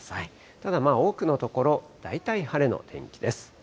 ただ多くの所、大体晴れの天気です。